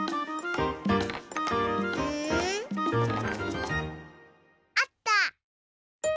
うん？あった！